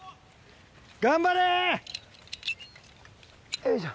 よいしょ。